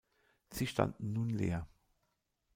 Sie standen nun leer.